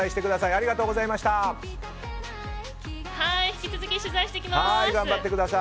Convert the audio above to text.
引き続き、取材していきます。